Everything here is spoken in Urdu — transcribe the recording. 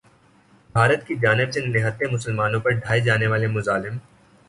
بھارت کی جانب سے نہتے مسلمانوں پر ڈھائے جانے والے مظالم